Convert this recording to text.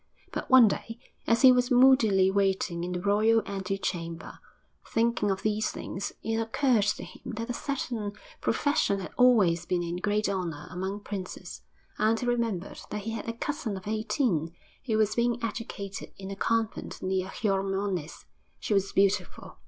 But one day, as he was moodily waiting in the royal antechamber, thinking of these things, it occurred to him that a certain profession had always been in great honour among princes, and he remembered that he had a cousin of eighteen, who was being educated in a convent near Xiormonez. She was beautiful.